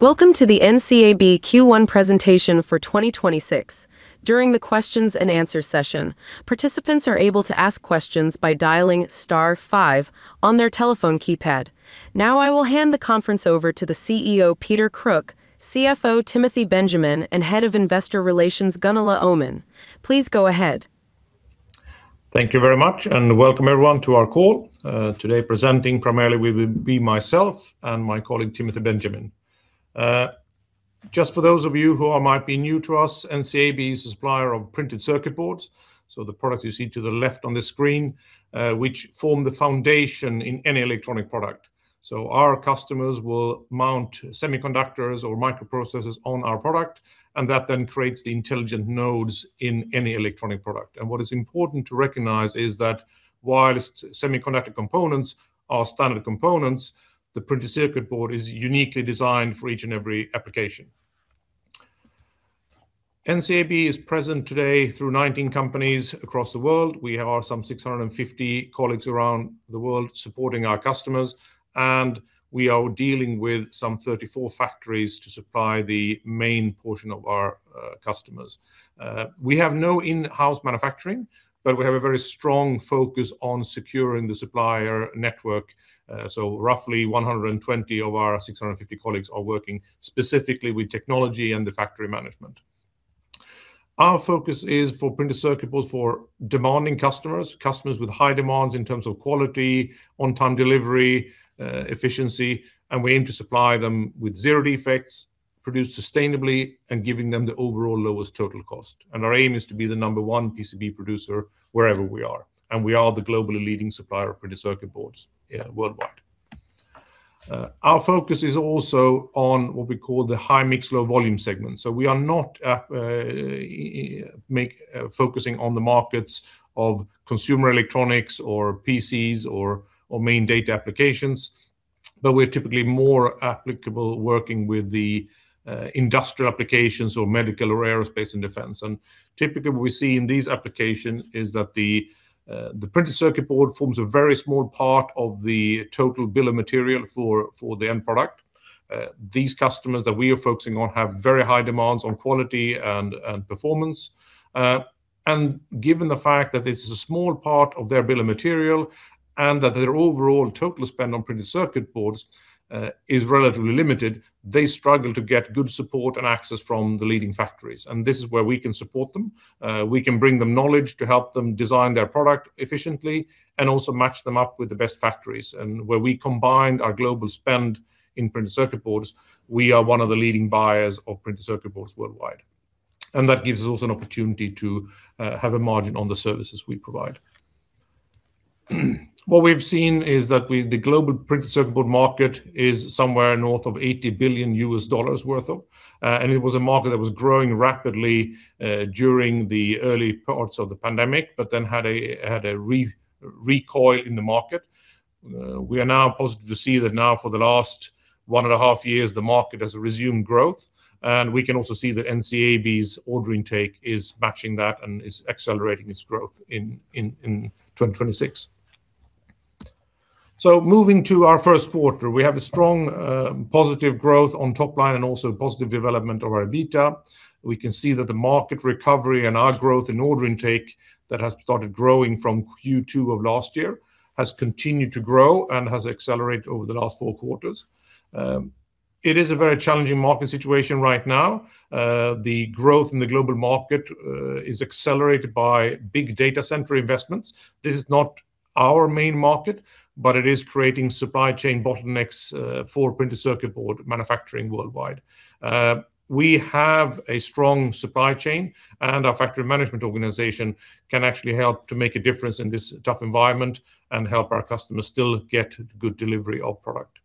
Welcome to the NCAB Q1 Presentation for 2026. During the questions and answers session, participants are able to ask questions by dialing star five on their telephone keypad. Now I will hand the conference over to the CEO, Peter Kruk, CFO, Tim Benjamin, and Head of Investor Relations, Gunilla Öhman. Please go ahead. Thank you very much and welcome everyone to our call. Today presenting primarily will be myself and my colleague, Tim Benjamin. Just for those of you who might be new to us, NCAB is a supplier of printed circuit boards, the product you see to the left on the screen, which forms the foundation in any electronic product. Our customers will mount semiconductors or microprocessors on our product, and that then creates the intelligent nodes in any electronic product. What is important to recognize is that while semiconductor components are standard components, the printed circuit board is uniquely designed for each and every application. NCAB is present today through 19 companies across the world. We have some 650 colleagues around the world supporting our customers, and we are dealing with some 34 factories to supply the main portion of our customers. We have no in-house manufacturing, but we have a very strong focus on securing the supplier network. Roughly 120 of our 650 colleagues are working specifically with technology and the factory management. Our focus is for printed circuit boards for demanding customers with high demands in terms of quality, on-time delivery, efficiency, and we aim to supply them with zero defects, produced sustainably, and giving them the overall lowest total cost. Our aim is to be the number one PCB producer wherever we are. We are the globally leading supplier of printed circuit boards worldwide. Our focus is also on what we call the high-mix, low-volume segment. We are not focusing on the markets of consumer electronics or PCs or main data applications, but we're typically more applicable working with the industrial applications or medical or aerospace and defense. Typically, what we see in these applications is that the printed circuit board forms a very small part of the total bill of materials for the end product. These customers that we are focusing on have very high demands on quality and performance. Given the fact that this is a small part of their bill of materials and that their overall total spend on printed circuit boards is relatively limited, they struggle to get good support and access from the leading factories. This is where we can support them. We can bring them knowledge to help them design their product efficiently and also match them up with the best factories. Where we combine our global spend in printed circuit boards, we are one of the leading buyers of printed circuit boards worldwide. That gives us also an opportunity to have a margin on the services we provide. What we've seen is that the global printed circuit board market is somewhere north of $80 billion, and it was a market that was growing rapidly during the early parts of the pandemic, but then had a recoil in the market. We are now positive to see that now for the last 1.5 years, the market has resumed growth, and we can also see that NCAB's order intake is matching that and is accelerating its growth in 2026. Moving to our first quarter, we have a strong positive growth on top line and also positive development of our EBITDA. We can see that the market recovery and our growth in order intake that has started growing from Q2 of last year has continued to grow and has accelerated over the last four quarters. It is a very challenging market situation right now. The growth in the global market is accelerated by big data center investments. This is not our main market, but it is creating supply chain bottlenecks for printed circuit board manufacturing worldwide. We have a strong supply chain, and our factory management organization can actually help to make a difference in this tough environment and help our customers still get good delivery of product.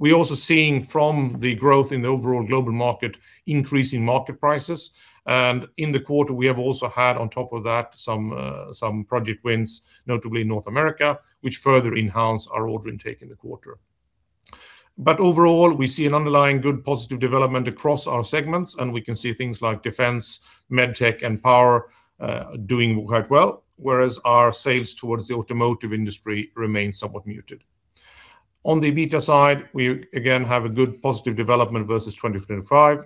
We're also seeing from the growth in the overall global market, increasing market prices. In the quarter, we have also had on top of that some project wins, notably in North America, which further enhance our order intake in the quarter. Overall, we see an underlying good positive development across our segments, and we can see things like defense, med tech, and power doing quite well. Whereas our sales towards the automotive industry remain somewhat muted. On the EBITDA side, we again have a good positive development versus 2025.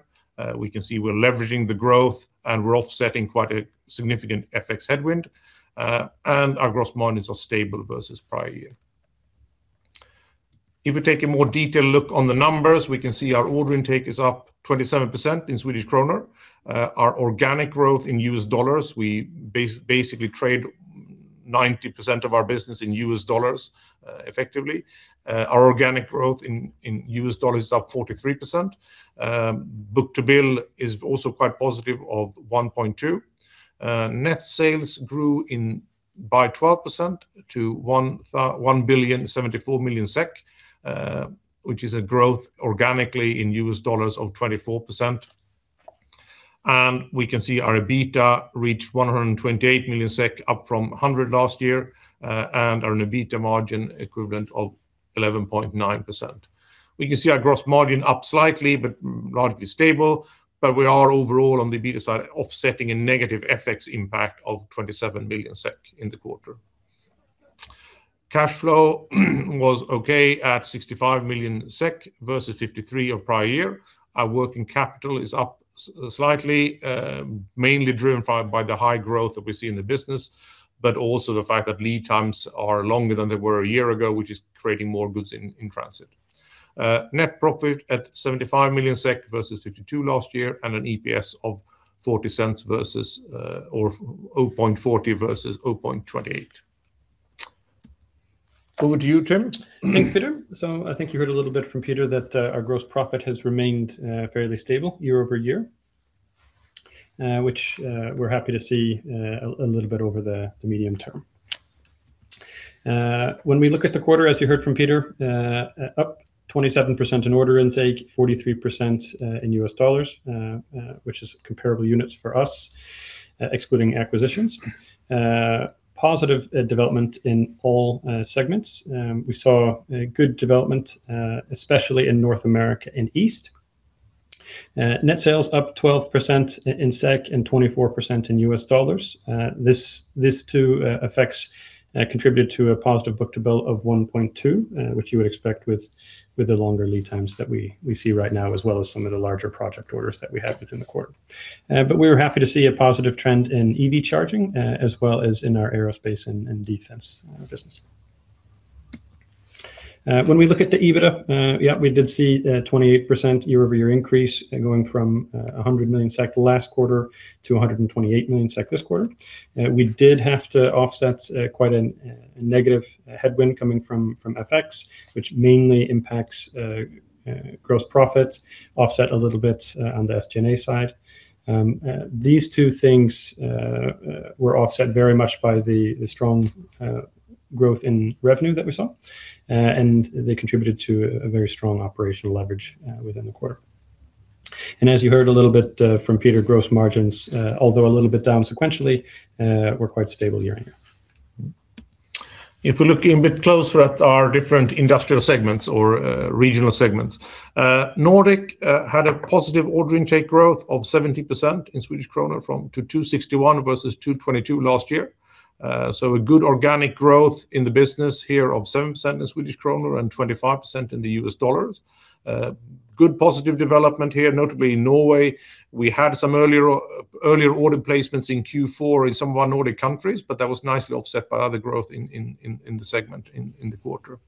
We can see we're leveraging the growth, and we're offsetting quite a significant FX headwind, and our gross margins are stable versus prior year. If we take a more detailed look on the numbers, we can see our order intake is up 27% in Swedish krona. Our organic growth in US dollars, we basically trade 90% of our business in US dollars effectively. Our organic growth in US dollars is up 43%. Book-to-bill is also quite positive of 1.2. Net sales grew by 12% to 1,074 million SEK, which is a growth organically in US dollars of 24%. We can see our EBITDA reached 128 million SEK, up from 100 million last year, and an EBITDA margin equivalent of 11.9%. We can see our gross margin up slightly but largely stable, but we are overall on the EBITDA side offsetting a negative FX impact of 27 million SEK in the quarter. Cash flow was okay at 65 million SEK versus 53 million of prior year. Our working capital is up slightly, mainly driven by the high growth that we see in the business, but also the fact that lead times are longer than they were a year ago, which is creating more goods in transit. Net profit at 75 million SEK versus 52 million last year, and an EPS of $0.40 versus $0.28. Over to you, Tim. Thanks, Peter. I think you heard a little bit from Peter that our gross profit has remained fairly stable year-over-year, which we're happy to see a little bit over the medium term. When we look at the quarter, as you heard from Peter, up 27% in order intake, 43% in US dollars, which is comparable units for us, excluding acquisitions. Positive development in all segments. We saw a good development, especially in North America and East. Net sales up 12% in SEK and 24% in US dollars. This too contributed to a positive book-to-bill of 1.2, which you would expect with the longer lead times that we see right now, as well as some of the larger project orders that we have within the quarter. We are happy to see a positive trend in EV charging, as well as in our aerospace and defense business. When we look at the EBITDA, we did see a 28% year-over-year increase going from 100 million SEK last quarter to 128 million SEK this quarter. We did have to offset quite a negative headwind coming from FX, which mainly impacts gross profit, offset a little bit on the SG&A side. These two things were offset very much by the strong growth in revenue that we saw, and they contributed to a very strong operational leverage within the quarter. As you heard a little bit from Peter, gross margins, although a little bit down sequentially, were quite stable year-on-year. If we look a bit closer at our different industrial segments or regional segments. Nordic had a positive order intake growth of 70% in SEK from 261 million versus 222 million last year. A good organic growth in the business here of 7% in SEK and 25% in USD. Good positive development here, notably in Norway. We had some earlier order placements in Q4 in some of our Nordic countries, but that was nicely offset by other growth in the segment in the quarter.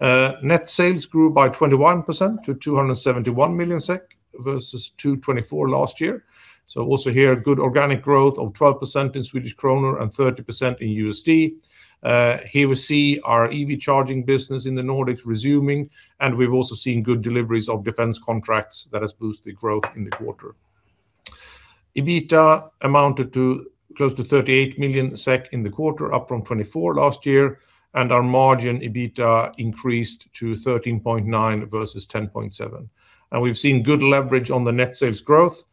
Net sales grew by 21% to 271 million SEK versus 224 million last year. Also here, a good organic growth of 12% in SEK and 30% in USD. Here we see our EV charging business in the Nordics resuming, and we've also seen good deliveries of defense contracts that has boosted growth in the quarter. EBITDA amounted to close to 38 million SEK in the quarter, up from 24 million last year, and our EBITDA margin increased to 13.9% versus 10.7%. We've seen good leverage on the net sales growth.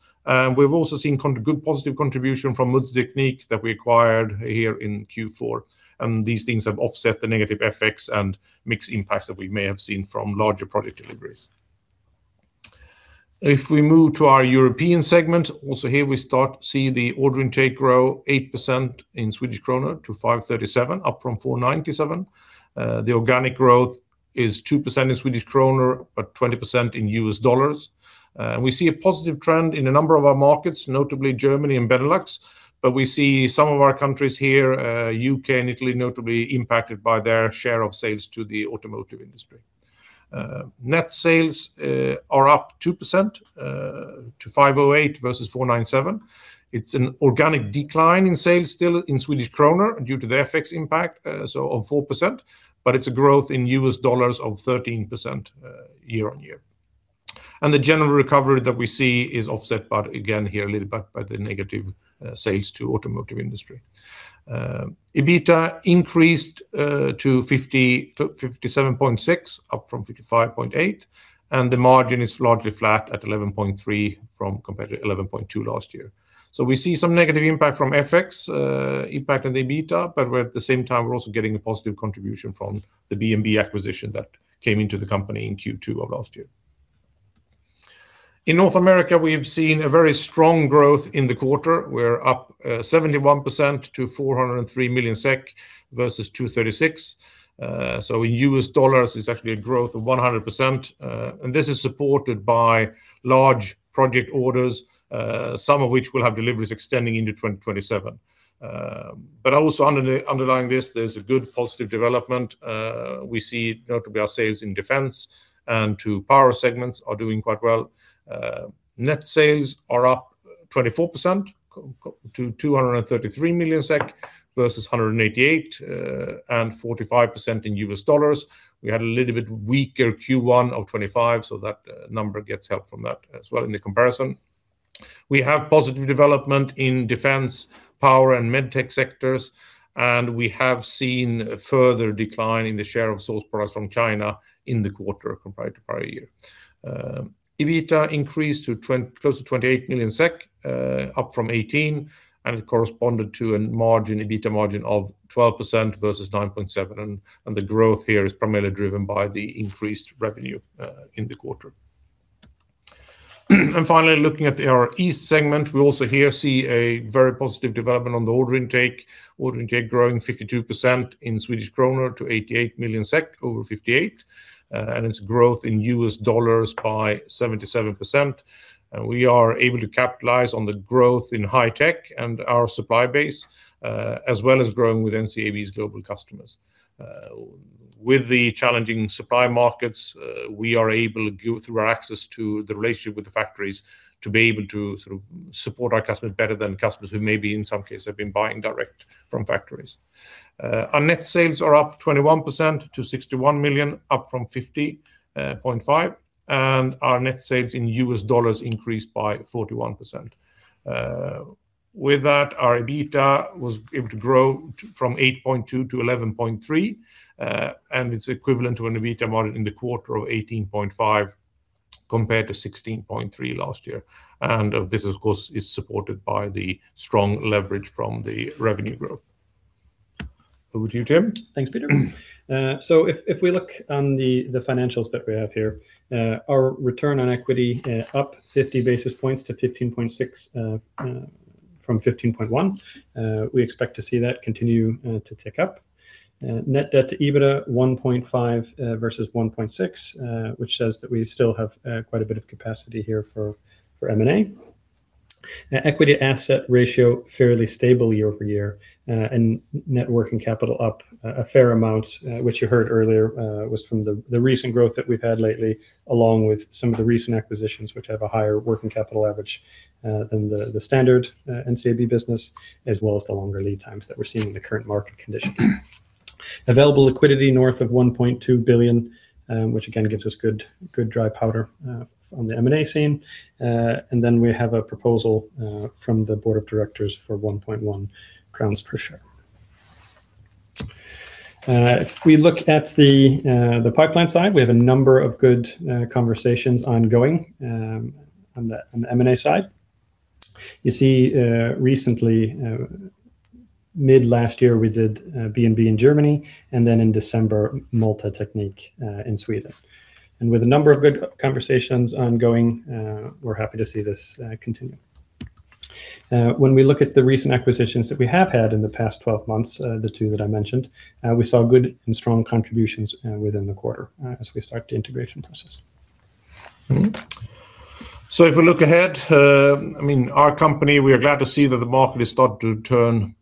We've also seen good positive contribution from Lutz Technique that we acquired here in Q4. These things have offset the negative effects and mixed impacts that we may have seen from larger product deliveries. If we move to our European segment, also here we start to see the order intake grow 8% in Swedish krona to 537 million, up from 497 million. The organic growth is 2% in Swedish krona, but 20% in US dollars. We see a positive trend in a number of our markets, notably Germany and Benelux. We see some of our countries here, UK and Italy, notably impacted by their share of sales to the automotive industry. Net sales are up 2%, to 508 million versus 497 million. It's an organic decline in sales still in Swedish krona due to the FX impact, so of 4%, but it's a growth in US dollars of 13% year-over-year. The general recovery that we see is offset by, again here, a little back by the negative sales to automotive industry. EBITDA increased to 57.6 million, up from 55.8 million, and the margin is largely flat at 11.3% compared to 11.2% last year. We see some negative impact from FX impact on the EBITDA, but at the same time, we're also getting a positive contribution from the B&B acquisition that came into the company in Q2 of last year. In North America, we have seen a very strong growth in the quarter. We're up 71% to 403 million SEK versus 236 million. In US dollars, it's actually a growth of 100%, and this is supported by large project orders, some of which will have deliveries extending into 2027. Also underlying this, there's a good positive development. We see notably our sales in defense and to power segments are doing quite well. Net sales are up 24% to 233 million SEK versus 188, and 45% in US dollars. We had a little bit weaker Q1 2025, so that number gets help from that as well in the comparison. We have positive development in defense, power, and med tech sectors, and we have seen a further decline in the share of sourced products from China in the quarter compared to prior year. EBITDA increased to close to 28 million SEK, up from 18, and it corresponded to an EBITDA margin of 12% versus 9.7%. The growth here is primarily driven by the increased revenue in the quarter. Finally, looking at our East segment, we also here see a very positive development on the order intake. Order intake growing 52% in Swedish krona to 88 million SEK, over 58 million, and its growth in US dollars by 77%. We are able to capitalize on the growth in high tech and our supply base, as well as growing with NCAB's global customers. With the challenging supply markets, we are able, through our access to the relationship with the factories, to be able to support our customers better than customers who maybe, in some cases, have been buying direct from factories. Our net sales are up 21% to 61 million, up from 50.5 million, and our net sales in US dollars increased by 41%. With that, our EBITDA was able to grow from 8.2-11.3, and it's equivalent to an EBITDA margin in the quarter of 18.5% compared to 16.3% last year. This, of course, is supported by the strong leverage from the revenue growth. Over to you, Tim. Thanks, Peter. If we look on the financials that we have here, our return on equity up 50 basis points to 15.6% from 15.1%. We expect to see that continue to tick up. Net debt to EBITDA 1.5 versus 1.6, which says that we still have quite a bit of capacity here for M&A. Equity asset ratio fairly stable year-over-year, and net working capital up a fair amount, which you heard earlier was from the recent growth that we've had lately, along with some of the recent acquisitions, which have a higher working capital average than the standard NCAB business, as well as the longer lead times that we're seeing in the current market condition. Available liquidity north of 1.2 billion, which again gives us good dry powder on the M&A scene. We have a proposal from the board of directors for 1.1 crowns per share. If we look at the pipeline side, we have a number of good conversations ongoing on the M&A side. You see recently, mid last year, we did B&B in Germany, and then in December, Multi-Teknik in Sweden. With a number of good conversations ongoing, we're happy to see this continue. When we look at the recent acquisitions that we have had in the past 12 months, the two that I mentioned, we saw good and strong contributions within the quarter as we start the integration process. If we look ahead, our company, we are glad to see that the market is turning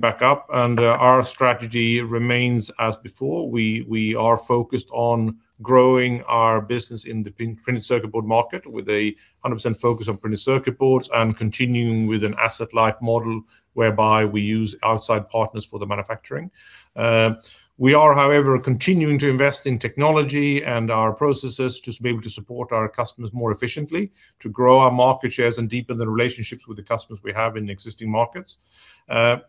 back up, and our strategy remains as before. We are focused on growing our business in the printed circuit board market with 100% focus on printed circuit boards and continuing with an asset-light model whereby we use outside partners for the manufacturing. We are, however, continuing to invest in technology and our processes to be able to support our customers more efficiently, to grow our market shares, and deepen the relationships with the customers we have in existing markets.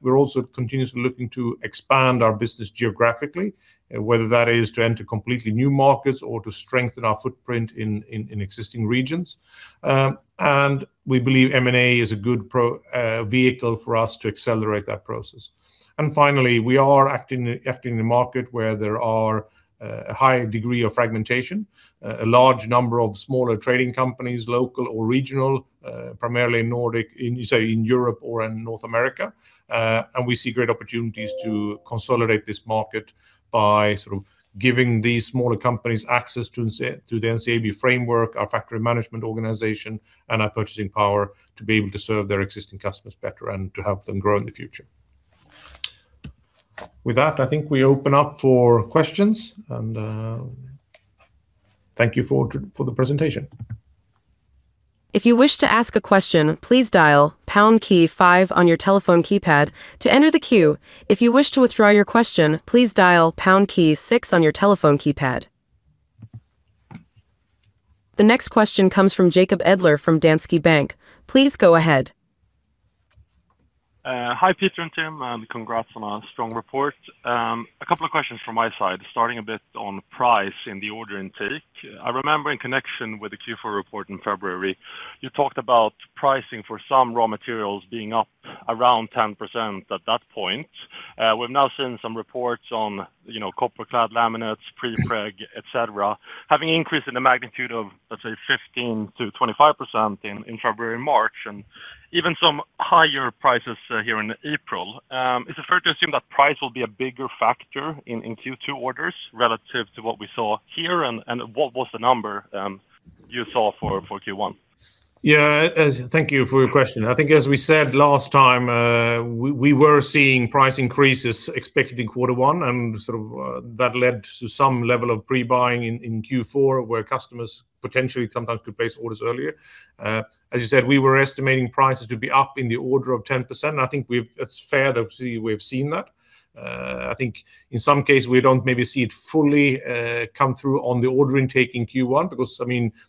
We're also continuously looking to expand our business geographically, whether that is to enter completely new markets or to strengthen our footprint in existing regions. We believe M&A is a good vehicle for us to accelerate that process. Finally, we are acting in a market where there are a high degree of fragmentation, a large number of smaller trading companies, local or regional, primarily Nordic, in Europe or in North America. We see great opportunities to consolidate this market by giving these smaller companies access to the NCAB framework, our factory management organization, and our purchasing power to be able to serve their existing customers better and to help them grow in the future. With that, I think we open up for questions, and thank you for the presentation. If you wish to ask a question, please dial pound key five on your telephone keypad to enter the queue. If you wish to withdraw your question, please dial pound key six on your telephone keypad. The next question comes from Jacob Edler from Danske Bank. Please go ahead. Hi, Peter and Tim. Congrats on a strong report. A couple of questions from my side, starting a bit on price in the order intake. I remember in connection with the Q4 report in February, you talked about pricing for some raw materials being up around 10% at that point. We've now seen some reports on copper clad laminates, prepreg, et cetera, having increased in the magnitude of, let's say, 15%-25% in February, March, and even some higher prices here in April. Is it fair to assume that price will be a bigger factor in Q2 orders relative to what we saw here? And what was the number you saw for Q1? Yeah. Thank you for your question. I think as we said last time, we were seeing price increases expected in quarter one, and that led to some level of pre-buying in Q4, where customers potentially sometimes could place orders earlier. As you said, we were estimating prices to be up in the order of 10%, and I think it's fair to say we've seen that. I think in some case, we don't maybe see it fully come through on the order intake in Q1 because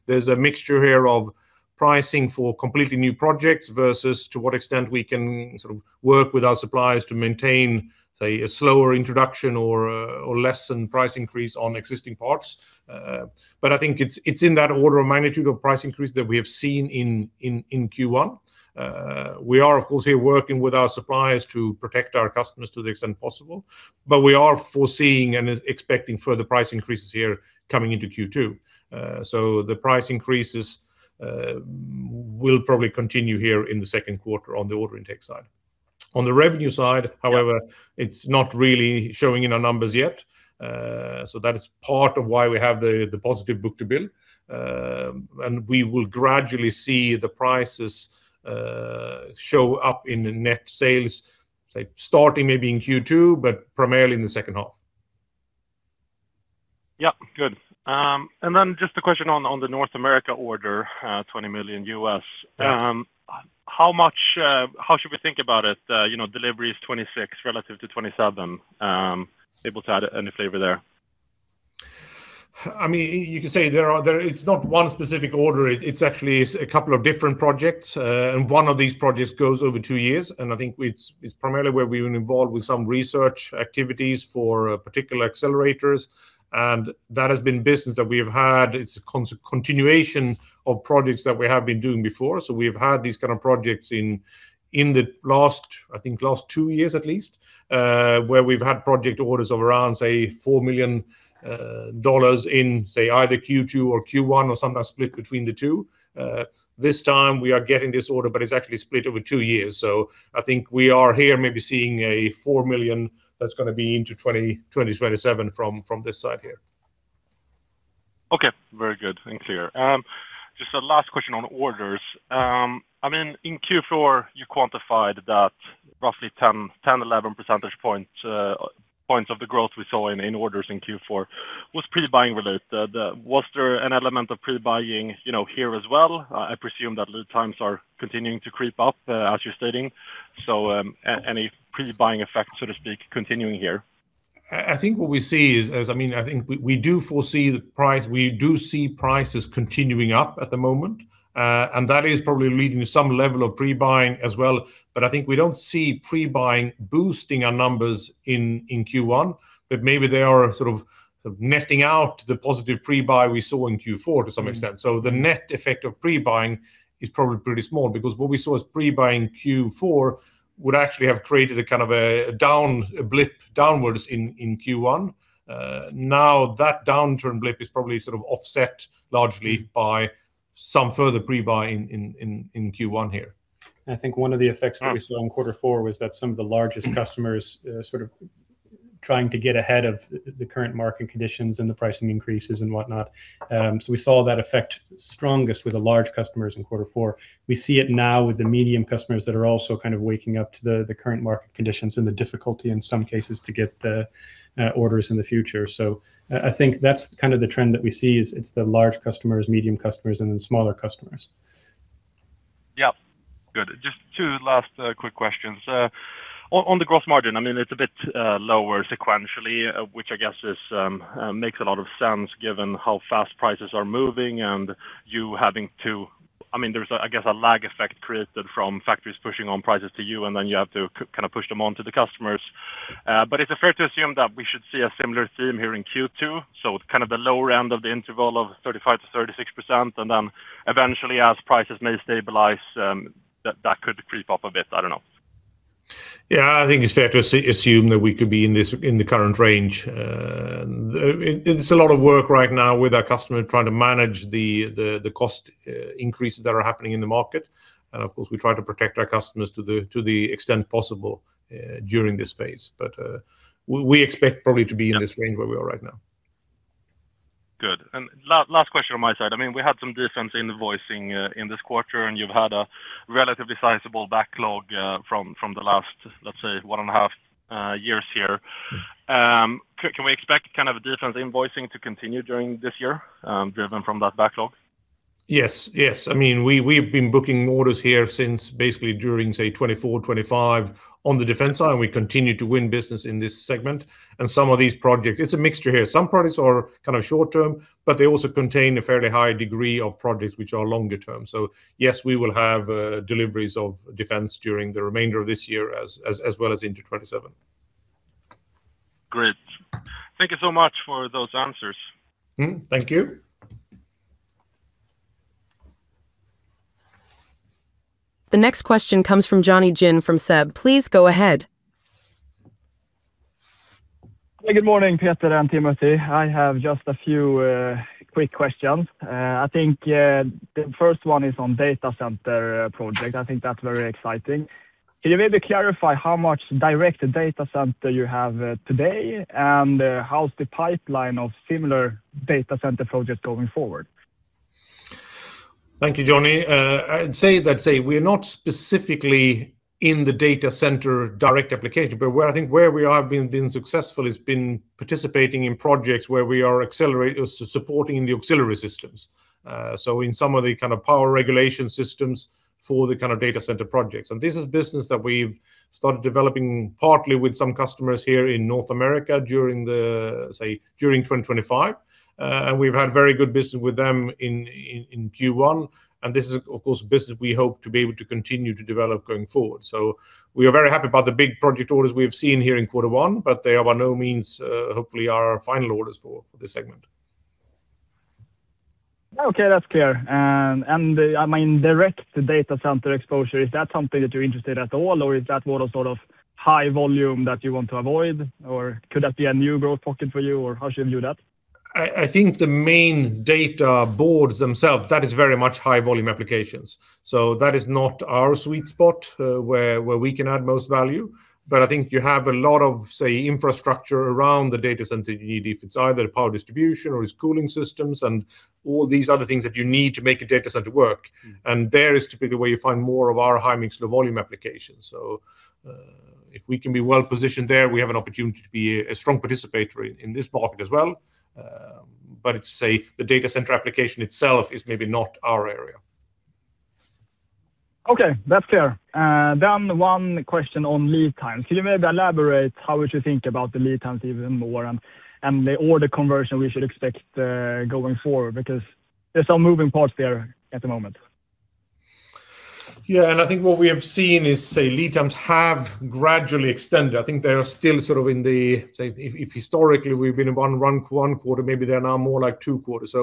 there's a mixture here of pricing for completely new projects versus to what extent we can work with our suppliers to maintain, say, a slower introduction or lessen price increase on existing parts. I think it's in that order of magnitude of price increase that we have seen in Q1. We are, of course, here working with our suppliers to protect our customers to the extent possible. We are foreseeing and expecting further price increases here coming into Q2. The price increases will probably continue here in the second quarter on the order intake side. On the revenue side, however, it's not really showing in our numbers yet. That is part of why we have the positive book-to-bill, and we will gradually see the prices show up in the net sales, say, starting maybe in Q2, but primarily in the second half. Yeah. Good. Just a question on the North America order, $20 million. How should we think about it? Delivery is 2026 relative to 2027. Able to add any flavor there? You could say it's not one specific order. It's actually a couple of different projects. One of these projects goes over two years, and I think it's primarily where we've been involved with some research activities for particular accelerators. That has been business that we have had. It's a continuation of projects that we have been doing before. We've had these kind of projects in the last, I think, last two years at least, where we've had project orders of around, say, $4 million in, say, either Q2 or Q1 or sometimes split between the two. This time we are getting this order, but it's actually split over two years. I think we are here maybe seeing a $4 million that's going to be into 2027 from this side here. Okay. Very good and clear. Just a last question on orders. In Q4, you quantified that roughly 10-11 percentage points of the growth we saw in orders in Q4 was pre-buying related. Was there an element of pre-buying here as well? I presume that lead times are continuing to creep up, as you're stating. Any pre-buying effect, so to speak, continuing here? I think we do foresee the price, we do see prices continuing up at the moment, and that is probably leading to some level of pre-buying as well. I think we don't see pre-buying boosting our numbers in Q1. Maybe they are sort of netting out the positive pre-buy we saw in Q4 to some extent. The net effect of pre-buying is probably pretty small because what we saw as pre-buying Q4 would actually have created a kind of a blip downwards in Q1. Now that downturn blip is probably sort of offset largely by some further pre-buying in Q1 here. I think one of the effects that we saw in quarter four was that some of the largest customers sort of trying to get ahead of the current market conditions and the pricing increases and whatnot. We saw that effect strongest with the large customers in quarter four. We see it now with the medium customers that are also kind of waking up to the current market conditions and the difficulty in some cases to get the orders in the future. I think that's kind of the trend that we see is it's the large customers, medium customers, and then smaller customers. Yeah. Good. Just two last quick questions. On the gross margin, it's a bit lower sequentially, which I guess makes a lot of sense given how fast prices are moving, and there's, I guess, a lag effect created from factories pushing on prices to you, and then you have to kind of push them on to the customers. Is it fair to assume that we should see a similar theme here in Q2? Kind of the lower end of the interval of 35%-36%, and then eventually as prices may stabilize, that could creep up a bit. I don't know. Yeah, I think it's fair to assume that we could be in the current range. It's a lot of work right now with our customer trying to manage the cost increases that are happening in the market. Of course, we try to protect our customers to the extent possible, during this phase. We expect probably to be in this range where we are right now. Good. Last question on my side. We had some defense invoicing, in this quarter, and you've had a relatively sizable backlog from the last, let's say, one and a half years here. Can we expect kind of a defense invoicing to continue during this year, driven from that backlog? Yes. We've been booking orders here since basically during, say, 2024, 2025 on the defense side, and we continue to win business in this segment. Some of these projects, it's a mixture here. Some projects are kind of short-term, but they also contain a fairly high degree of projects which are longer term. Yes, we will have deliveries of defense during the remainder of this year as well as into 2027. Great. Thank you so much for those answers. Thank you. The next question comes from Jonny Jin from SEB. Please go ahead. Good morning, Peter and Timothy. I have just a few quick questions. I think the first one is on data center project. I think that's very exciting. Can you maybe clarify how much direct data center you have today? And how's the pipeline of similar data center projects going forward? Thank you, Jonny. I'd say that we are not specifically in the data center direct application, but where I think we have been successful has been participating in projects where we are supporting the auxiliary systems, in some of the kind of power regulation systems for the kind of data center projects. This is business that we've started developing partly with some customers here in North America during 2025, and we've had very good business with them in Q1. This is, of course, business we hope to be able to continue to develop going forward. We are very happy about the big project orders we have seen here in quarter one, but they are by no means, hopefully our final orders for this segment. Okay. That's clear. Direct data center exposure, is that something that you're interested at all, or is that more sort of high volume that you want to avoid, or could that be a new growth pocket for you, or how should we view that? I think the main data boards themselves, that is very much high-volume applications. That is not our sweet spot where we can add most value. I think you have a lot of, say, infrastructure around the data center you need. If it's either power distribution or it's cooling systems and all these other things that you need to make a data center work. There is typically where you find more of our high-mix, low-volume applications. If we can be well-positioned there, we have an opportunity to be a strong participant in this market as well. It's safe to say, the data center application itself is maybe not our area. Okay, that's clear. One question on lead times. Could you maybe elaborate how would you think about the lead times even more and the order conversion we should expect going forward? Because there's some moving parts there at the moment. Yeah, I think what we have seen is, say, lead times have gradually extended. I think they are still sort of in the, say, if historically we've been one quarter, maybe they're now more like two quarters.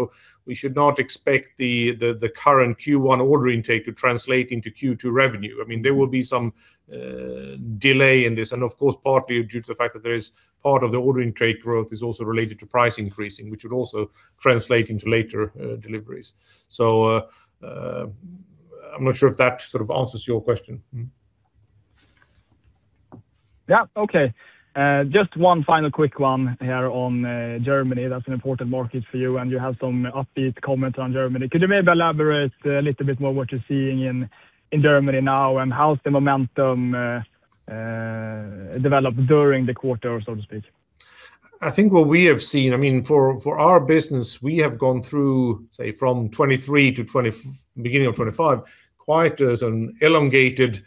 We should not expect the current Q1 ordering intake to translate into Q2 revenue. There will be some delay in this, and of course, partly due to the fact that there is part of the ordering intake growth is also related to price increasing, which would also translate into later deliveries. I'm not sure if that sort of answers your question. Yeah. Okay. Just one final quick one here on Germany. That's an important market for you, and you have some upbeat comments on Germany. Could you maybe elaborate a little bit more what you're seeing in Germany now, and how's the momentum developed during the quarter, so to speak? I think what we have seen for our business, we have gone through, say, from 2023 to beginning of 2025, quite as an elongated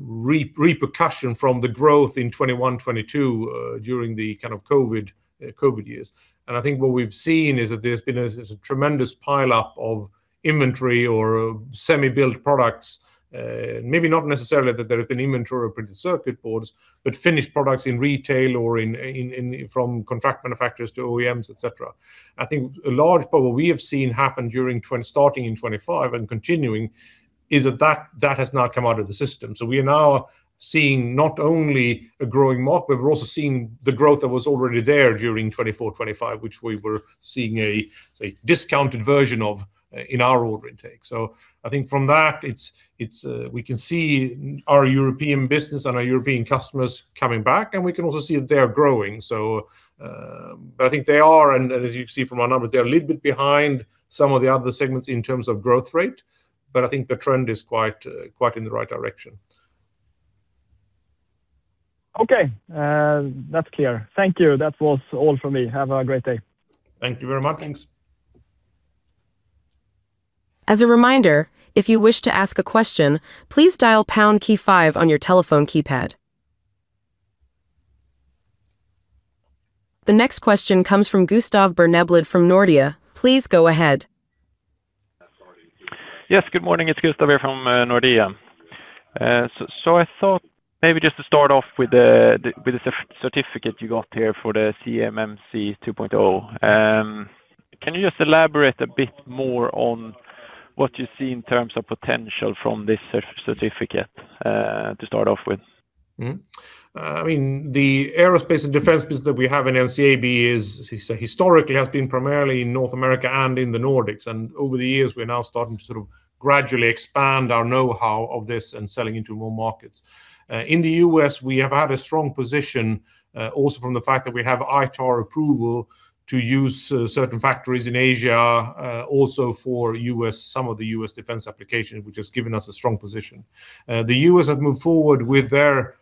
repercussion from the growth in 2021, 2022, during the kind of COVID years. I think what we've seen is that there's been a tremendous pile-up of inventory or semi-built products, maybe not necessarily that there have been inventory of printed circuit boards, but finished products in retail or from contract manufacturers to OEMs, et cetera. I think a large part of what we have seen happen starting in 2025 and continuing is that that has now come out of the system. We are now seeing not only a growing market, but we're also seeing the growth that was already there during 2024, 2025, which we were seeing a discounted version of in our order intake. I think from that, we can see our European business and our European customers coming back, and we can also see that they are growing. I think they are, and as you can see from our numbers, they're a little bit behind some of the other segments in terms of growth rate. I think the trend is quite in the right direction. Okay. That's clear. Thank you. That was all from me. Have a great day. Thank you very much. Thanks. As a reminder, if you wish to ask a question, please dial pound key five on your telephone keypad. The next question comes from Gustav Berneblad from Nordea. Please go ahead. Yes, good morning. It's Gustav here from Nordea. I thought maybe just to start off with the certificate you got here for the CMMC 2.0. Can you just elaborate a bit more on what you see in terms of potential from this certificate to start off with? The aerospace and defense business that we have in NCAB historically has been primarily in North America and in the Nordics. Over the years, we're now starting to sort of gradually expand our know-how of this and selling into more markets. In the US, we have had a strong position, also from the fact that we have ITAR approval to use certain factories in Asia, also for some of the US defense applications, which has given us a strong position. The US have moved forward with their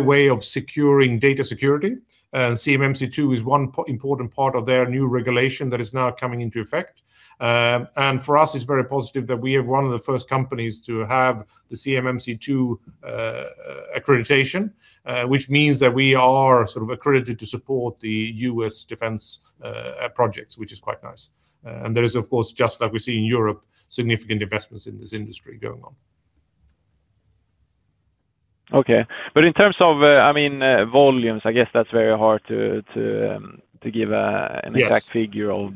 way of securing data security. CMMC 2 is one important part of their new regulation that is now coming into effect. For us, it's very positive that we are one of the first companies to have the CMMC 2 accreditation, which means that we are sort of accredited to support the US defense projects, which is quite nice. There is, of course, just like we see in Europe, significant investments in this industry going on. Okay. In terms of volumes, I guess that's very hard to give an exact figure of.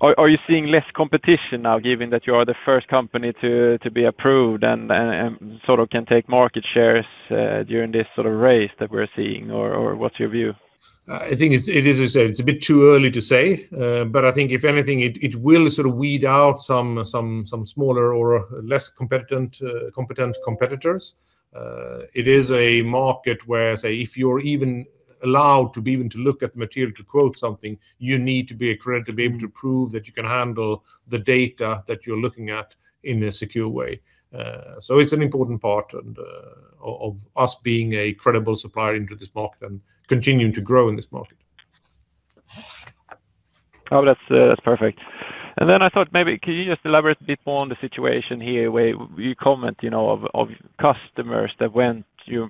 Are you seeing less competition now, given that you are the first company to be approved and sort of can take market shares during this sort of race that we're seeing, or what's your view? I think it's a bit too early to say. I think if anything, it will sort of weed out some smaller or less competent competitors. It is a market where if you're even allowed to be able to look at the material to quote something, you need to be accredited to be able to prove that you can handle the data that you're looking at in a secure way. It's an important part of us being a credible supplier into this market and continuing to grow in this market. Oh, that's perfect. I thought maybe could you just elaborate a bit more on the situation here where you comment, of customers that went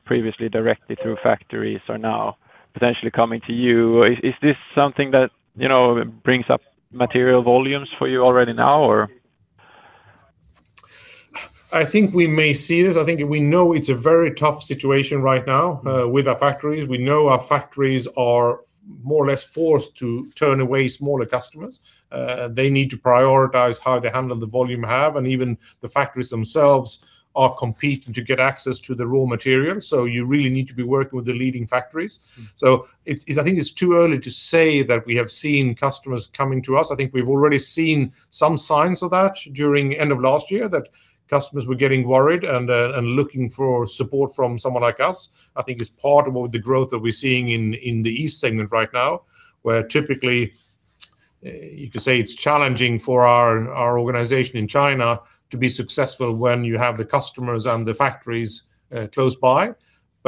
previously directly through factories are now potentially coming to you. Is this something that brings up material volumes for you already now, or? I think we may see this. I think we know it's a very tough situation right now with our factories. We know our factories are more or less forced to turn away smaller customers. They need to prioritize how they handle the volume they have, and even the factories themselves are competing to get access to the raw materials. You really need to be working with the leading factories. I think it's too early to say that we have seen customers coming to us. I think we've already seen some signs of that during end of last year, that customers were getting worried and looking for support from someone like us. I think it's part of the growth that we're seeing in the East segment right now, where typically you could say it's challenging for our organization in China to be successful when you have the customers and the factories close by.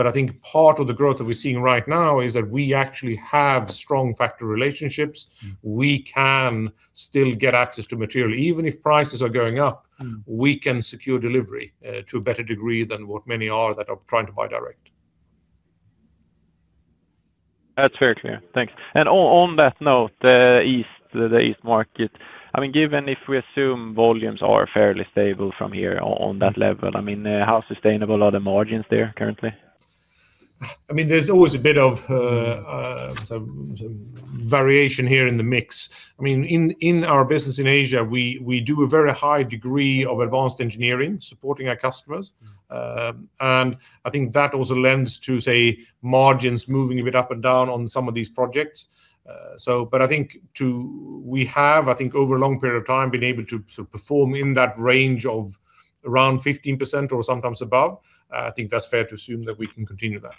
I think part of the growth that we're seeing right now is that we actually have strong factory relationships. We can still get access to material. Even if prices are going up, we can secure delivery to a better degree than what many are that are trying to buy direct. That's very clear. Thanks. On that note, the East market, given if we assume volumes are fairly stable from here on that level, how sustainable are the margins there currently? There's always a bit of variation here in the mix. In our business in Asia, we do a very high degree of advanced engineering supporting our customers. I think that also lends to, say, margins moving a bit up and down on some of these projects. I think over a long period of time, been able to perform in that range of around 15% or sometimes above. I think that's fair to assume that we can continue that.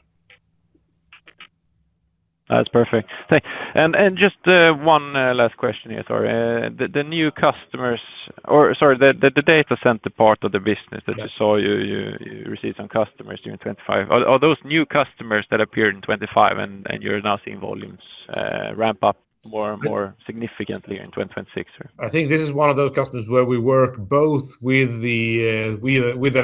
That's perfect. Thanks. Just one last question here. Sorry. The new customers, or sorry, the data center part of the business that I saw you received some customers during 2025. Are those new customers that appeared in 2025 and you're now seeing volumes ramp up more and more significantly in 2026? I think this is one of those customers where we work both with an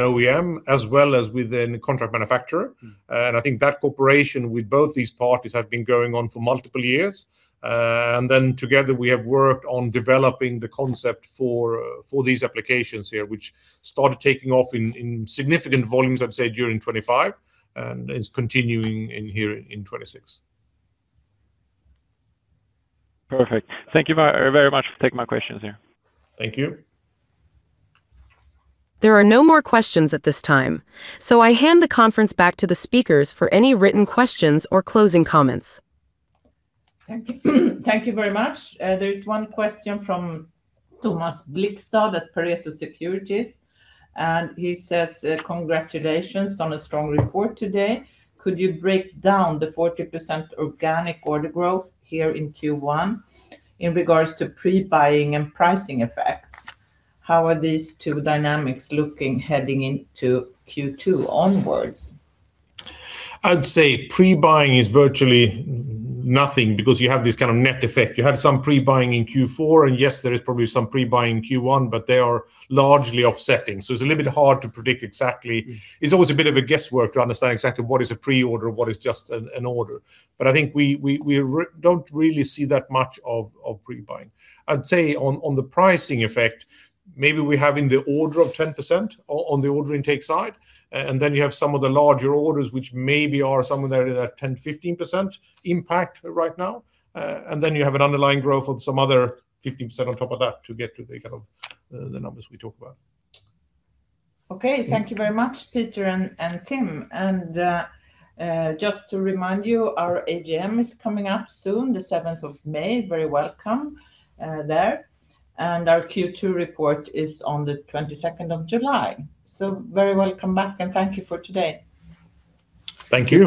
OEM as well as with a contract manufacturer. I think that cooperation with both these parties have been going on for multiple years. Then together we have worked on developing the concept for these applications here, which started taking off in significant volumes, I'd say, during 2025 and is continuing in here in 2026. Perfect. Thank you very much for taking my questions here. Thank you. There are no more questions at this time, so I hand the conference back to the speakers for any written questions or closing comments. Thank you very much. There's one question from Thomas Blikstad at Pareto Securities, and he says, "Congratulations on a strong report today. Could you break down the 40% organic order growth here in Q1 in regards to pre-buying and pricing effects? How are these two dynamics looking heading into Q2 onward? I'd say pre-buying is virtually nothing because you have this kind of net effect. You had some pre-buying in Q4, and yes, there is probably some pre-buying in Q1, but they are largely offsetting, so it's a little bit hard to predict exactly. It's always a bit of a guesswork to understand exactly what is a pre-order and what is just an order. But I think we don't really see that much of pre-buying. I'd say on the pricing effect, maybe we have in the order of 10% on the order intake side, and then you have some of the larger orders, which maybe are somewhere in that 10%-15% impact right now. Then you have an underlying growth of some other 15% on top of that to get to the kind of the numbers we talk about. Okay. Thank you very much, Peter and Tim. Just to remind you, our AGM is coming up soon, the May 7th. Very welcome there. Our Q2 report is on the July 22nd. Very welcome back and thank you for today. Thank you.